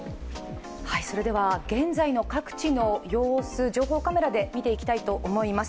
それでは、現在の各地の様子、情報カメラで見ていきたいと思います。